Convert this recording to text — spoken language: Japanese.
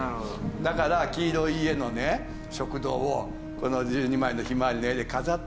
だから黄色い家の食堂をこの１２枚の『ひまわり』の絵で飾ってね